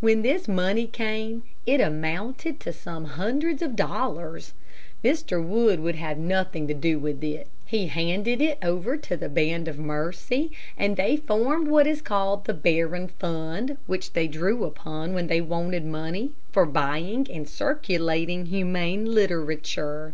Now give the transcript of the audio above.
When this money came, it amounted to some hundreds of dollars. Mr. Wood would have nothing to do with it. He handed it over to the Band of Mercy, and they formed what they called the "Barron Fund," which they drew upon when they wanted money for buying and circulating humane literature.